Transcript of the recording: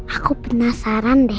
aku penasaran deh